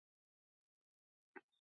مېلې خلک د خپل تاریخ او هویت سره مښلوي.